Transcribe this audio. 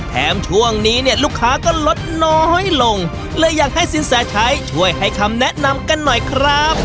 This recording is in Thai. แถมช่วงนี้เนี่ยลูกค้าก็ลดน้อยลงเลยอยากให้สินแสชัยช่วยให้คำแนะนำกันหน่อยครับ